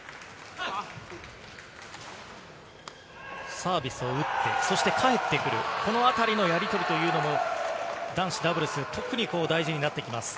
サービスを打ってそして、返ってくる、このあたりのやり取りというのも、男子ダブルス特に大事になってきます。